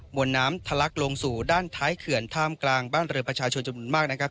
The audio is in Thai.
วนน้ำทะลักลงสู่ด้านท้ายเขื่อนท่ามกลางบ้านเรือประชาชนจำนวนมากนะครับ